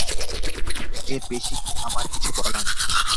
এর বেশি আমার কিছু বলার নেই।